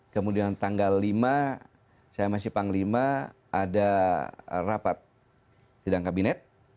kemudian tanggal lima saya masih panglima ada rapat sidang kabinet